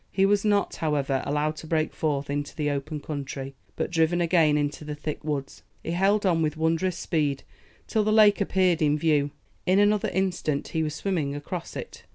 He was not, however, allowed to break forth into the open country; but, driven again into the thick woods, he held on with wondrous speed till the lake appeared in view. In another instant he was swimming across it.